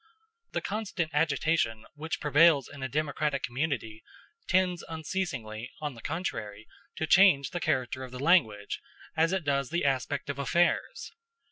The constant agitation which prevails in a democratic community tends unceasingly, on the contrary, to change the character of the language, as it does the aspect of affairs.